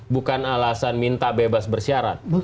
bukan alasan minta bebas bersyarat